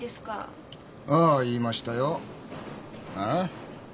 ああ言いましたよ。